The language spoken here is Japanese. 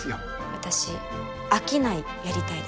私商いやりたいです。